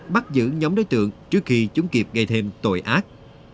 bắt giữ nhóm đối tượng trước khi chúng kịp gây thêm tội ác